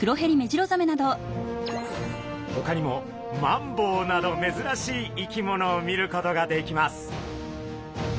ほかにもマンボウなどめずらしい生き物を見ることができます。